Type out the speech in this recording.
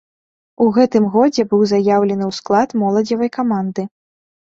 У гэтым годзе быў заяўлены ў склад моладзевай каманды.